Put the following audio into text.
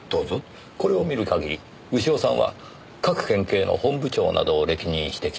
これを見る限り潮さんは各県警の本部長などを歴任してきた警察官僚です。